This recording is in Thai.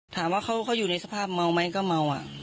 ถามว่าเขาอยู่ในสภาพเมาไหมก็เมา